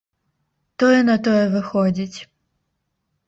Тое на тое выходзіць.